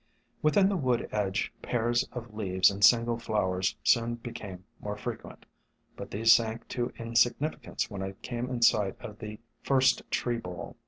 Within the wood edge pairs of leaves and single flowers soon became more frequent, but these sank to insignificance when I came in sight of the first tree bowl.